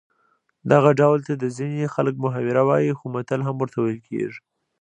دغه ډول ته ځینې خلک محاوره وايي خو متل هم ورته ویل کېږي